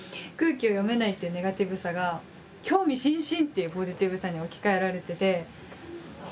「空気を読めない」っていうネガティブさが「興味津々！！」っていうポジティブさに置き換えられてて。